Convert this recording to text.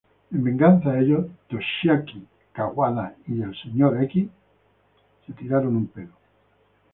En venganza a ello, Toshiaki Kawada y Mr.